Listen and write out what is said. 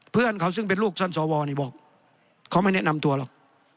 เพื่อนเขาซึ่งเป็นลูกท่านสวนี่บอกเขาไม่แนะนำตัวหรอก